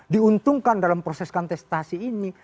diuntungkan dalam proses kontestasi ini